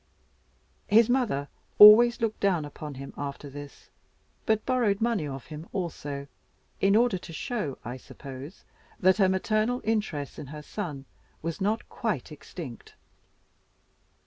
His mother always looked down upon him after this; but borrowed money of him also in order to show, I suppose, that her maternal interest in her son was not quite extinct.